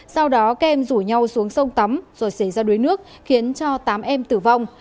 sau đó các em rủ nhau xuống sông tắm rồi xảy ra đuối nước khiến cho tám em tử vong